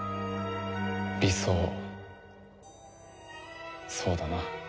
理想そうだな。